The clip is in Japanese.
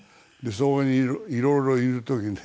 そこにいるいろいろいる時ね